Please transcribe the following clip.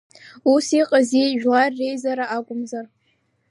Ус иҟази, Жәлар реизара акәымзар?